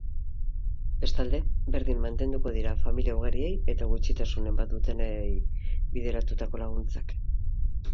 Bestalde, berdin mantenduko dira familia ugariei eta gutxitasunen bat dutenei bideratutako laguntzak.